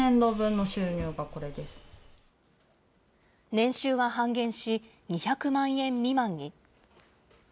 年収は半減し、２００万円未満に。